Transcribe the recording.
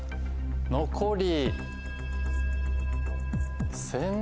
残り。